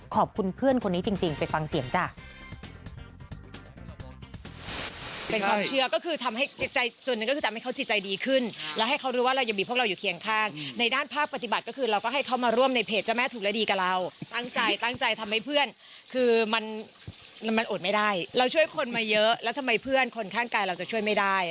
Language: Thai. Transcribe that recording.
ขอบคุณเพื่อนคนนี้จริงไปฟังเสียงจ้ะ